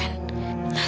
sebetulnya aku berpikir